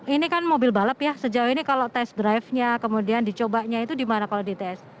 ini kan mobil balap ya sejauh ini kalau tes drive nya kemudian dicobanya itu di mana kalau di tes